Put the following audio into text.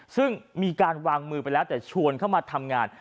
ซึ่งมีการวางมือไปแล้วแต่ชวนเข้ามาทำงาน